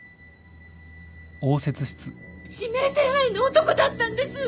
指名手配の男だったんです！